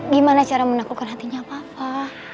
gimana cara menaklukkan hatinya papa